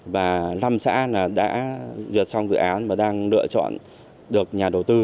và năm xã đã duyệt xong dự án và đang lựa chọn được nhà đầu tư